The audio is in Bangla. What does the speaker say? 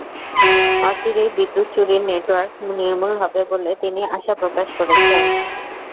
অচিরেই বিদ্যুৎ চুরির নেটওয়ার্ক নির্মূল হবে বলে তিনি আশা প্রকাশ করেছেন।